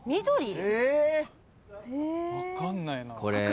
緑！